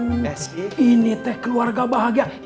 aduh ini teh keluarga di bahagia